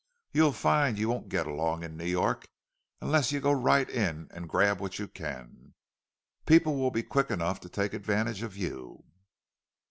You'll find you won't get along in New York unless you go right in and grab what you can. People will be quick enough to take advantage of you."